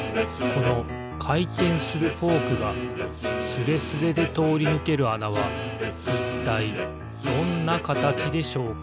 このかいてんするフォークがスレスレでとおりぬけるあなはいったいどんなかたちでしょうか？